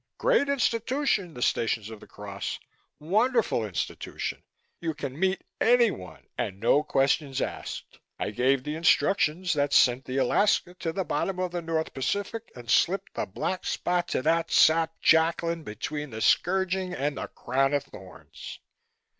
Great institution the Stations of the Cross. Wonderful institution. You can meet anyone and no questions asked. I gave the instructions that sent the Alaska to the bottom of the North Pacific and slipped the black spot to that sap Jacklin between the Scourging and the Crown of Thorns.